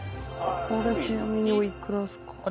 これちなみにおいくらですか？